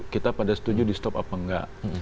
kita pada setuju di stop apa enggak